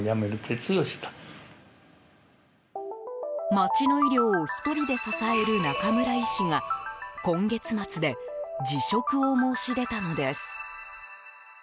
町の医療を１人で支える中村医師が今月末で辞職を申し出たのです。